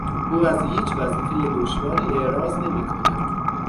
او از هیچ وظیفهٔ دشواری اعراض نمیکند.